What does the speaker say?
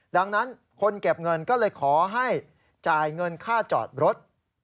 ดังนั้นคนเก็บเงินก็เลยขอให้จ่ายเงินค่าจอดรถ